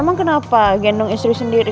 emang kenapa gendong istri sendiri